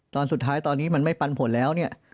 ตอนสุดท้ายตอนนี้มันไม่ปันผลแล้วเนี่ย